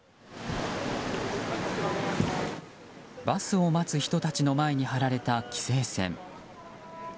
バスを待つ人たちの前に張られた規制線。